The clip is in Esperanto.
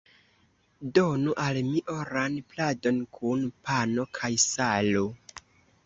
Donu al mi oran pladon kun pano kaj salo!